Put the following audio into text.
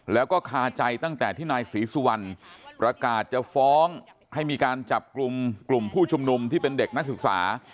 แล้วก็คาใจตั้งแต่ที่นายศรีสุวรรณประกาศจะฟ้องให้มีการจับกลุ่มกลุ่มผู้ชุมนุมที่เป็นเด็กนักศึกษา